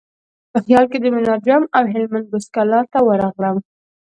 په خیال کې د منار جام او هلمند بست کلا ته ورغلم.